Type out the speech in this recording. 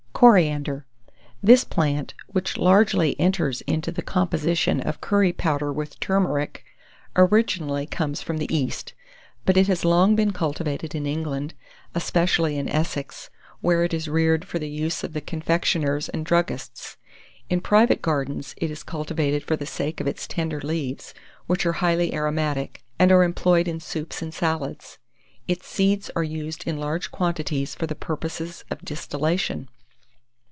[Illustration: CORIANDER.] CORIANDER. This plant, which largely enters into the composition of curry powder with turmeric, originally comes from the East; but it has long been cultivated in England, especially in Essex, where it is reared for the use of confectioners and druggists. In private gardens, it is cultivated for the sake of its tender leaves, which are highly aromatic, and are employed in soups and salads. Its seeds are used in large quantities for the purposes of distillation.